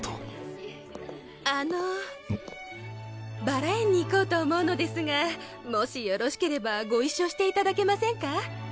バラ園に行こうと思うのですがもしよろしければご一緒していただけませんか？